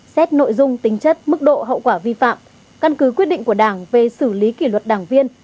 xét nội dung tính chất mức độ hậu quả vi phạm căn cứ quyết định của đảng về xử lý kỷ luật đảng viên